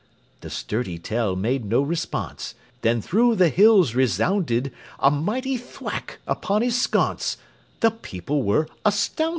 The sturdy Tell made no response; Then through the hills resounded A mighty thwack upon his sconce The people were astounded.